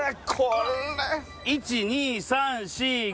１２３４５